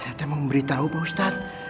saya memberitahu pak ustadz